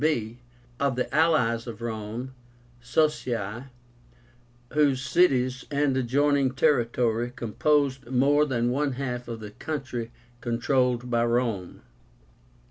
b. Of the ALLIES of Rome (Socii), whose cities and adjoining territory composed more than one half of the country controlled by Rome.